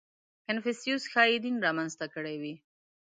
• کنفوسیوس ښایي دین را منځته کړی وي.